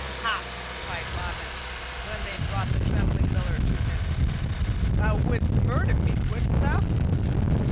"Ha!" cried Robin, when they brought the trembling Miller to him. "Thou wouldst murder me, wouldst thou?